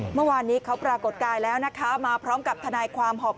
เมื่อวานนี้เขาปรากฏกายแล้วนะคะมาพร้อมกับทนายความหอบ